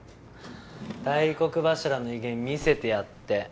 大黒柱の威厳見せてやって！